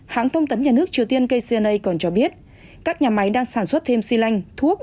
hãng thông tấn nhà nước triều tiên kcna còn cho biết các nhà máy đang sản xuất thêm xi lanh thuốc